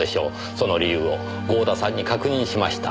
その理由を郷田さんに確認しました。